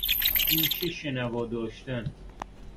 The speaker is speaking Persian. گوش شنوا داشتن